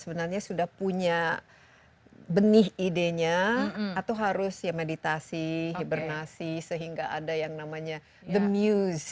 sebenarnya sudah punya benih idenya atau harus ya meditasi hibernasi sehingga ada yang namanya the muse